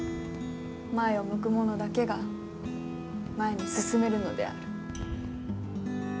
前を向く者だけが前に進めるのである。